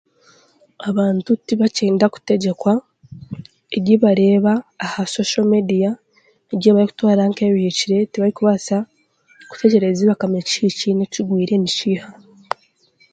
Abantu tibakyenda kutegyekwa, eryibareeba aha shosho mediya nibyo ebi barikutwara nk'ebihikiri , tibarikubaasa kutegyereza bakamanya ekihikire n'ekigwire nikiiha